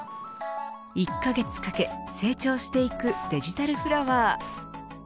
１カ月かけ成長していくデジタルフラワー。